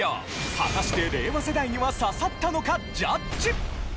果たして令和世代には刺さったのかジャッジ！